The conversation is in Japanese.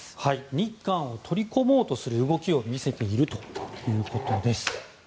日韓を取り込もうという動きを見せているということです。